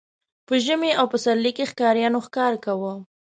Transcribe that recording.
په ژمي او پسرلي کې ښکاریانو ښکار کاوه.